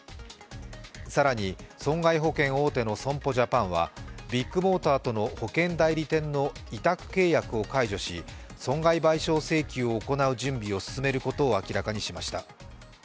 更に損害保険大手の損保ジャパンはビッグモーターとの保険代理店の委託契約を解除し損害賠償請求を行う準備を進めることを明らかにしました。